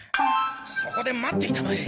そこで待っていたまえ。